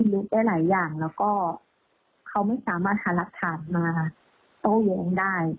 แล้วก็เค้าไม่สามารถหารักฐานมาโตโยงได้